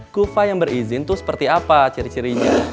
kufa yang berizin itu seperti apa ciri cirinya